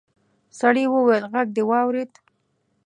سړي وويل غږ دې واورېد.